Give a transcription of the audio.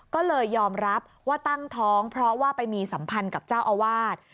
ก็เลยยอมรับว่าตั้งท้องเพราะว่าไปมีสัมพันธ์กับเจ้าอาวาส